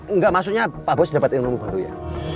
enggak maksudnya pak bos dapat ilmu baru ya